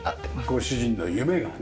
ご主人の夢がね。